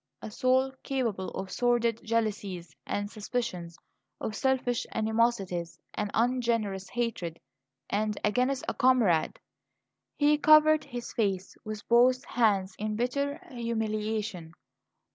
A soul capable of sordid jealousies and suspicions; of selfish animosities and ungenerous hatred and against a comrade! He covered his face with both hands in bitter humiliation.